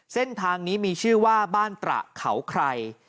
เส้นทางนี้มีชื่อว่าบ้านตระเขาใคร